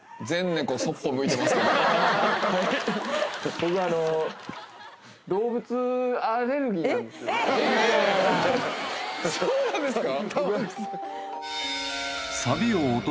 僕あのそうなんですか？